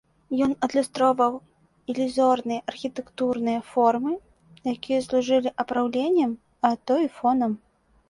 Ён адлюстроўваў ілюзорныя архітэктурныя формы, якія служылі апраўленнем, а то і фонам.